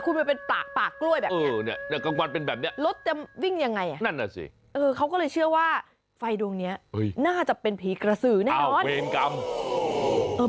เขาก็เลยเชื่อว่าไฟดวงนี้น่าจะเป็นผีกระสือแน่นอน